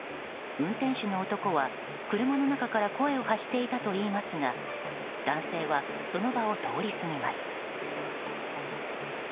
運転手の男は車の中から声を発していたといいますが男性はその場を通り過ぎます。